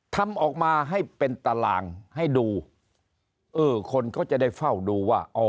ทำออกมาให้เป็นตารางให้ดูเออคนก็จะได้เฝ้าดูว่าอ๋อ